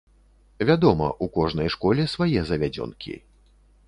Вядома, у кожнай школе свае завядзёнкі.